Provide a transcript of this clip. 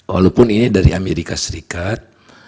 walaupun ini dari amerika serikat